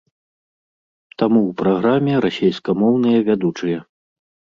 Таму ў праграме расейскамоўныя вядучыя.